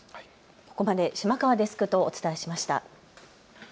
ここまで島川デスクとお伝えしました。